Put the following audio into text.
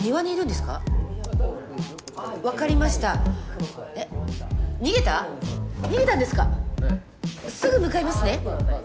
すぐ向かいますね。